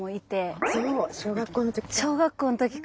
そう！小学校のときから。